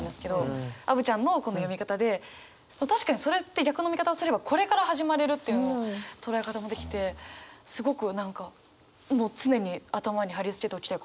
アヴちゃんのこの読み方で確かにそれって逆の見方をすればこれから始まれるというのを捉え方もできてすごく何かもう常に頭に貼り付けておきたい言葉だなと思いました。